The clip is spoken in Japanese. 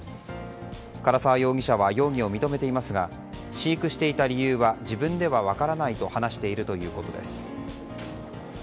唐沢容疑者は容疑を認めていますが飼育していた理由は自分では分からないと話しているということです。